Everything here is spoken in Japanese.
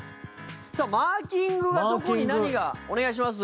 さあマーキングがどこに何がお願いします。